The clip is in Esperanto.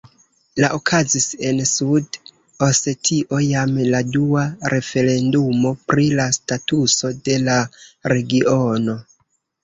La okazis en Sud-Osetio jam la dua referendumo pri la statuso de la regiono.